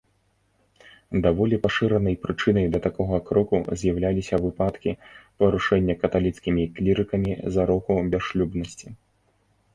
Даволі пашыранай прычынай да такога кроку з'яўляліся выпадкі парушэння каталіцкімі клірыкамі зароку бясшлюбнасці.